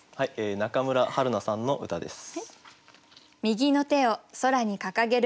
中村春奈さんの歌です。